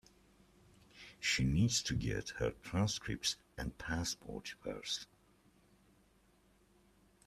She needs to get her transcripts and passport first.